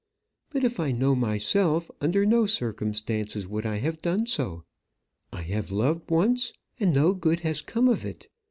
But, if I know myself, under no circumstances would I have done so. I have loved once, and no good has come of it.